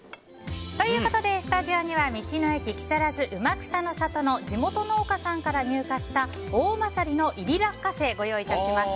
スタジオには道の駅木更津うまくたの里の地元農家さんから入荷したおおまさりの煎り落花生をご用意いたしました。